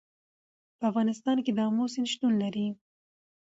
په افغانستان کې آمو سیند شتون لري.